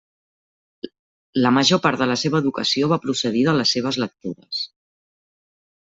La major part de la seva educació va procedir de les seves lectures.